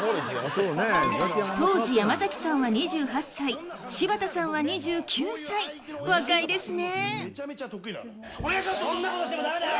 当時、山崎さんは２８歳柴田さんは２９歳、若いですね！